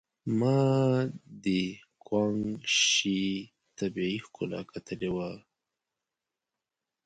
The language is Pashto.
ما د ګوانګ شي طبيعي ښکلاوې کتلې وې.